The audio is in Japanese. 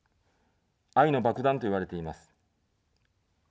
愛の爆弾といわれています。